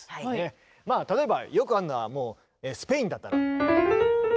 例えばよくあるのはもうスペインだったら。